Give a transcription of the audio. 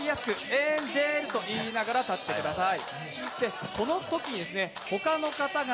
Ａｎｇｅｌと言いながら立ってください。